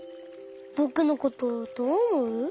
ぼくのことどうおもう？